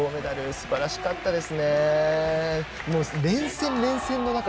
すばらしかったです。